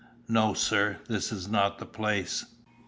"No, sir; this is not the place."